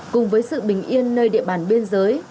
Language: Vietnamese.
cùng với sự bình yên nơi địa bàn biên giới